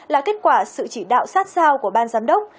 là kết quả sự chỉ đạo sát sao của ban giám đốc